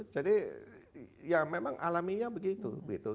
jadi ya memang alaminya begitu